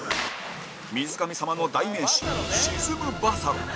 水神さまの代名詞沈むバサロ